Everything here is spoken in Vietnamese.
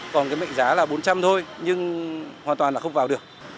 còn cái mệnh giá là bốn trăm linh thôi nhưng hoàn toàn là không vào được